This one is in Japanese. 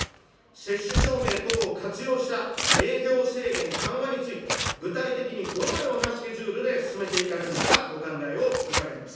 接種証明等を活用した営業制限緩和について、具体的にどのようなスケジュールで進めていかれるのか、お考えを伺います。